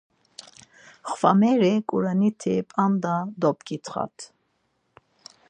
Xvameri Ǩuraniti p̌anda dobǩitxat.